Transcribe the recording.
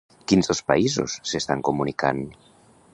Quins dos països s'estan comunicant?